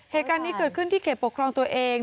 เหตุการณ์นี้เกิดขึ้นที่เขตปกครองตัวเอง